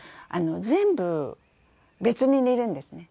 全部別に煮るんですね